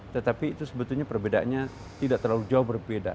tetapi itu sebetulnya perbedaannya tidak terlalu jauh berbeda